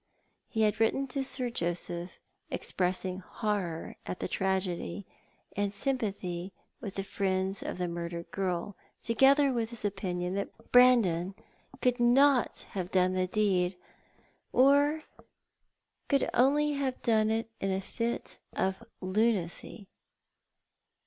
He had written to Sir Josejih, ex pressing horror at the tragedy, and sympathy with the friends of the murdered girl, together with his opinion that Brandon could not have done the deed, or could only have done it in a fit of lunacy.